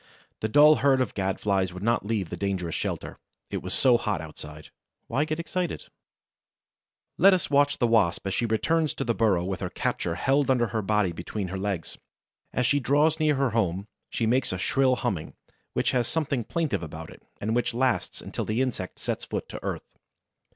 The dull herd of Gad flies would not leave the dangerous shelter. It was so hot outside! Why get excited? [Illustration: "One day, bang!"] Let us watch the Wasp as she returns to the burrow with her capture held under her body between her legs. As she draws near her home, she makes a shrill humming, which has something plaintive about it and which lasts until the insect sets foot to earth.